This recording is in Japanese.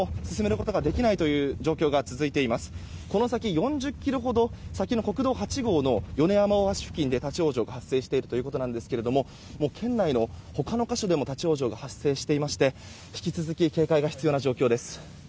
この先、４０ｋｍほど先の国道８号の米山大橋付近で立ち往生が発生しているということですが県内の他の箇所でも立ち往生が発生していまして引き続き警戒が必要な状況です。